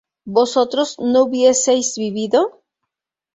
¿vosotros no hubieseis vivido?